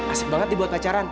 asik banget dibuat pacaran